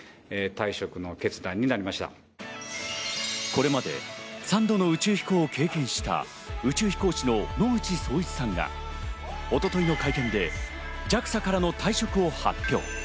これまで３度の宇宙飛行を経験した宇宙飛行士の野口聡一さんが一昨日の会見でＪＡＸＡからの退職を発表。